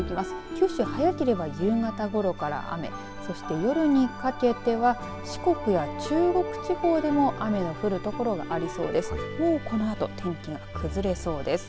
九州、早ければ夕方ごろから雨そして夜にかけては四国や中国地方でも雨の降る所がありそうです。